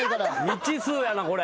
未知数やなこれ。